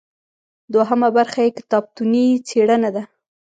دوهمه برخه یې کتابتوني څیړنه ده.